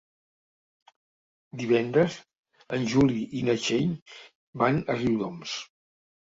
Divendres en Juli i na Txell van a Riudoms.